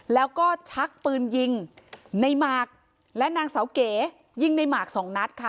แล้วก็ชักปืนยิงในหมากและนางเสาเก๋ยิงในหมากสองนัดค่ะ